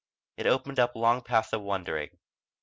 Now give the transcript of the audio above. It opened up long paths of wondering.